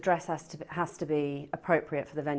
anda harus berpikir tentang venue